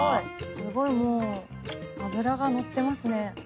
すごいもう脂が乗ってますね。